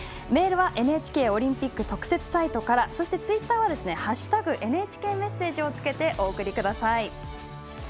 メールはＮＨＫオリンピック特設サイトからそして、ツイッターは「＃ＮＨＫメッセージ」をつけてお送りください。